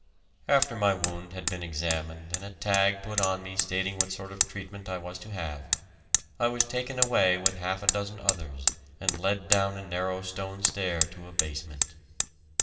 After my wound had been examined and a tag put on me stating what sort of treatment I was to have, I was taken away with half a dozen others and led down a narrow stone stair to a basement.